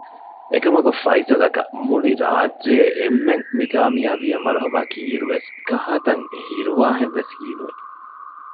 އެކަމަކު ފައިސަލްއަކަށް މުޅިރާއްޖޭ އެންމެން މިކާމިޔާބީއަށް މަރުހަބާ ކީއިރުވެސް ކަހާތަން ހިރުވާހެންވެސް ހީނުވި